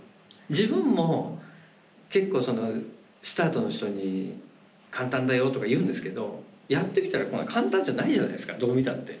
自分も結構スタートの人に「簡単だよ」とか言うんですけどやってみたら簡単じゃないじゃないですかどう見たって。